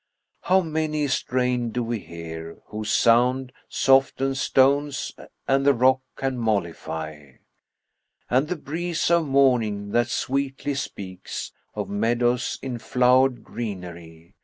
How many a strain do we hear, whose sound * Softens stones and the rock can mollify: And the breeze of morning that sweetly speaks * Of meadows in flowered greenery.